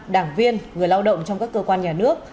đảng viên người lao động trong các cơ quan nhà nước